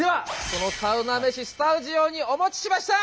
そのサウナ飯スタジオにお持ちしました！